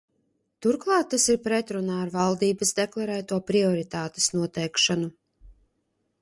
Turklāt tas ir pretrunā ar valdības deklarēto prioritātes noteikšanu.